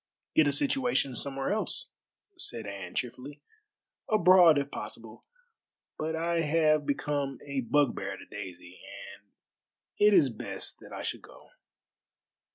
"Get a situation somewhere else," said Anne cheerfully, "abroad if possible; but I have become a bugbear to Daisy, and it is best that I should go."